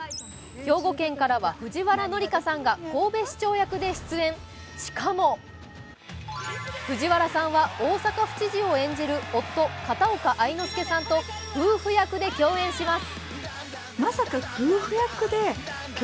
兵庫県からは藤原紀香さんが神戸市長役で出演、しかも藤原さんは大阪府知事を演じる夫、片岡愛之助さんと夫婦役で共演します。